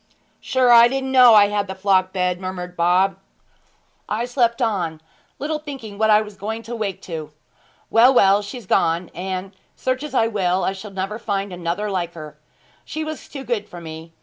'Sure I didn't know I had the flock bed,' murmured Bob. 'I slept on, little thinking what I was going to wake to. Well, well, she's gone; and search as I will I shall never find another like her! She was too good for me.